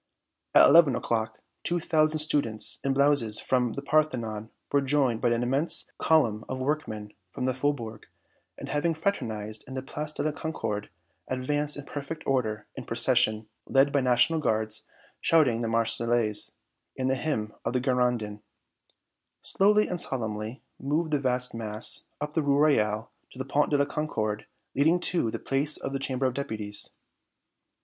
At eleven o'clock two thousand students in blouses from the Parthenon were joined by an immense column of workmen from the faubourgs, and, having fraternized in the Place de la Concorde, advanced in perfect order in procession, led by National Guards, shouting the Marseillaise and the Hymn of the Girondins. Slowly and solemnly moved the vast mass up the Rue Royale to the Pont de la Concorde, leading to the Place of the Chamber of Deputies.